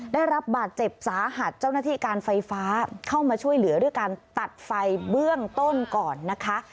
ได้รับบาดเจ็บสาหัสเจ้าหน้าที่การไฟฟ้าเข้ามาช่วยเหลือด้วยการตัดไฟเบื้องต้นก่อนนะคะ